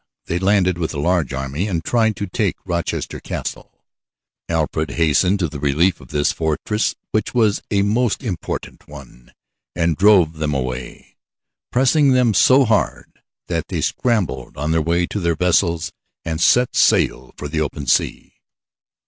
They landed with a large army and tried to take Rochester Castle. Alfred hastened to the relief of this fortress, which was a most important one, and drove them away, pressing them so hard that they scrambled on to their vessels and set sail for the open sea.